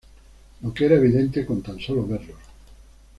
Lo que era evidente con tan sólo verlos.